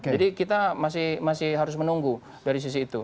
jadi kita masih harus menunggu dari sisi itu